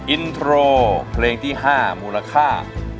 อินโทรเพลงที่๕มูลค่า